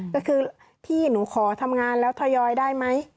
ก็คือพี่หนูขอทำงานแล้วทยอยได้ไหม